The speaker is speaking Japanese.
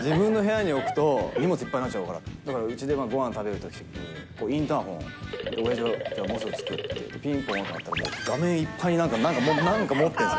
自分の部屋に置くと、荷物いっぱいになっちゃうから、だから家でごはん食べるときに、インターホンを、おやじがもうすぐ着くって言って、ぴんぽんって鳴って、もう画面いっぱいに、もうなんか持ってるんですよ。